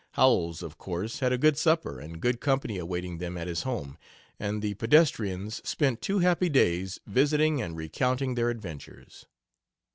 Howells, of course, had a good supper and good company awaiting them at his home, and the pedestrians spent two happy days visiting and recounting their adventures.